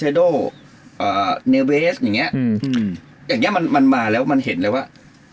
โดอ่าเนเวสอย่างเงี้อืมอย่างเงี้มันมันมาแล้วมันเห็นเลยว่า